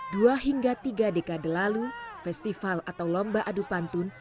dua hingga tiga dekade lalu festival atau lomba adu pantun